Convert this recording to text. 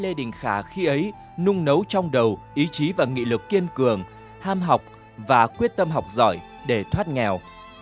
lê đình khả khi ấy nung nấu trong đầu ý chí và nghị lực kiên cường ham học và quyết tâm học giỏi để thoát nghèo